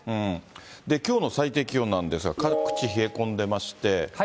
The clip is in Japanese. きょうの最低気温なんですが、各地、冷え込んでまして。